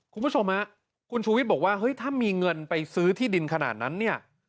คุณผู้ชมฮะคุณชูวิทย์บอกว่าเฮ้ยถ้ามีเงินไปซื้อที่ดินขนาดนั้นเนี่ย